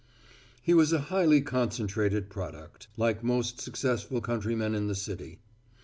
He was a highly concentrated product, like most successful countrymen in the city.